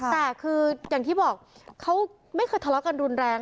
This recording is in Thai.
แต่คืออย่างที่บอกเขาไม่เคยทะเลาะกันรุนแรง